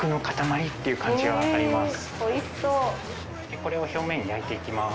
これを表面焼いていきます。